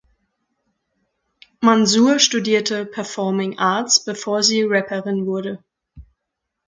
Mansour studierte Performing Arts bevor sie Rapperin wurde.